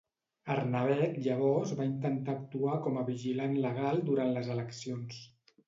Arnebeck llavors va intentar actuar com a vigilant legal durant les eleccions.